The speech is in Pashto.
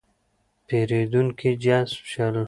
پېرېدونکي جذب شول.